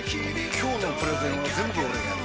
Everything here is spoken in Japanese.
今日のプレゼンは全部俺がやる！